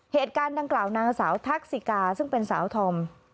เหตุการณ์ดังกล่าวนางสาวทักษิกาซึ่งเป็นสาวธอม